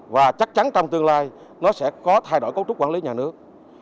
và chắc chắn trong tương lai nó sẽ có thay đổi cấu trúc quản lý nhà nước